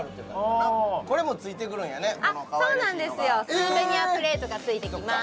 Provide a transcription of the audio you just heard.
スーベニアプレートがついてきます